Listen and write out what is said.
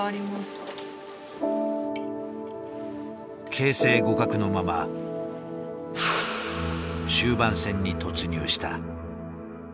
形勢互角のまま終盤戦に突入した。